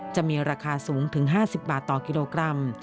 จะมีราคาสูงถึง๕๐บาทต่อกิโลกรัม